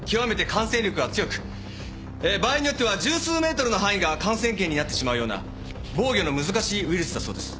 感染力が強く場合によっては十数メートルの範囲が感染圏になってしまうような防御の難しいウイルスだそうです。